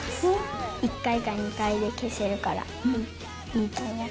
１回か２回で消せるからいいと思う。